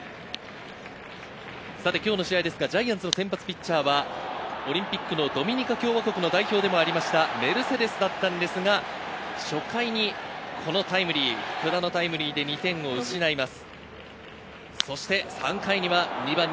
今日の試合、ジャイアンツの先発ピッチャーはオリンピックのドミニカ共和国の代表でもあったメルセデスだったんですが、初回にこのタイムリー、福田のタイムリーで２点を失います。